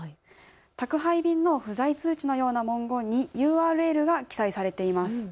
宅配便の不在通知のような文言にＵＲＬが記載されています。